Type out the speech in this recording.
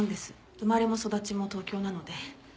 生まれも育ちも東京なので。